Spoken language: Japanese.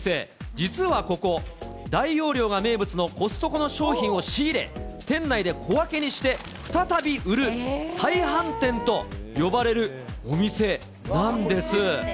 実はここ、大容量が名物のコストコの商品を仕入れ、店内で小分けにして再び売る再販店と呼ばれるお店なんです。